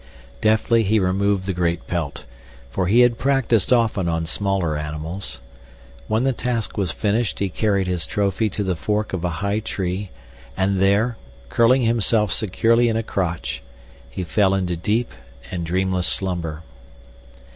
Deftly he removed the great pelt, for he had practiced often on smaller animals. When the task was finished he carried his trophy to the fork of a high tree, and there, curling himself securely in a crotch, he fell into deep and dreamless slumber.